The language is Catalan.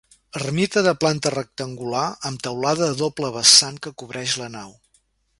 Ermita de planta rectangular amb teulada a doble vessant que cobreix la nau.